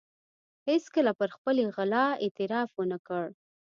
هېڅکله پر خپلې غلا اعتراف و نه کړ.